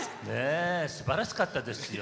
すばらしかったですよ。